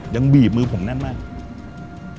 บีบมือผมแน่นมาก